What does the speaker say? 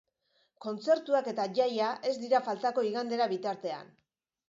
Kontzertuak eta jaia ez dira faltako igandera bitartean.